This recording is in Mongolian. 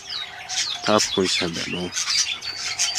Та бүхэн сайн байна уу